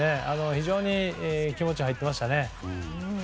非常に気持ちが入ってましたね。